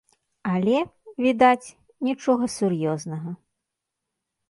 Але, відаць, нічога сур'ёзнага.